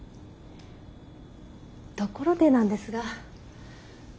ところでなんですがこちらを。